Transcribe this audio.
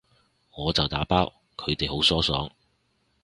我就打包，佢哋好疏爽